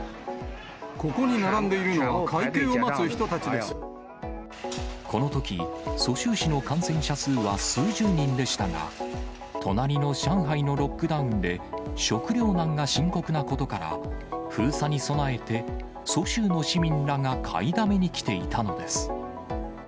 ここに並んでいるのは会計をこのとき、蘇州市の感染者数は数十人でしたが、隣の上海のロックダウンで、食糧難が深刻なことから、封鎖に備えて、蘇州の市民らが買いだめに来ていたのです。